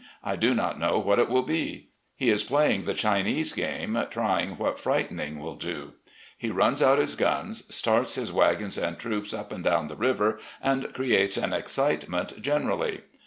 I do not know what it will be. He is playing the Chinese game, tr5dng what frightening will do. He runs out his g^ms, starts his wagons and troops up and down the river, and creates an excitement generally.